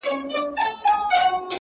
په چا دي ورلېږلي جهاني د قلم اوښکي!!